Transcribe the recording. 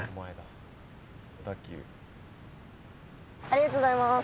ありがとうございます。